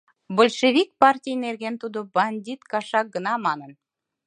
Большевик партий нерген тудо «бандит кашак» гына манын.